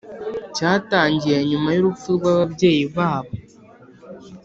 cyatangiye nyuma y’urupfu rw’ababyeyi babo